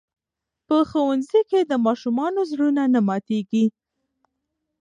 په ښوونځي کې د ماشومانو زړونه نه ماتېږي.